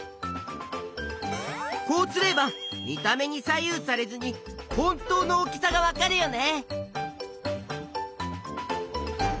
こうすれば見た目に左右されずに本当の大きさがわかるよね。